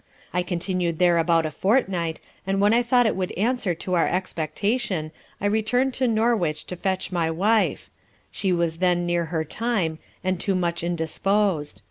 I continued here about a fortnight, and when I thought it would answer our expectation, I returned to Norwich to fetch my wife; she was then near her time, and too much indisposed.